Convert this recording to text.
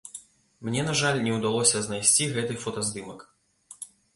Мне, на жаль, не ўдалося знайсці гэты фотаздымак.